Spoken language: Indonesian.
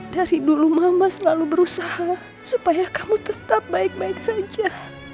dari dulu mama selalu berusaha supaya kamu tetap baik baik saja